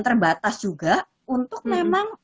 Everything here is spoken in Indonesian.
terbatas juga untuk memang